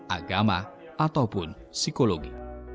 agama ataupun psikologi